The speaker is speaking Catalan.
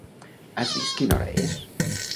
has vist quina hora és?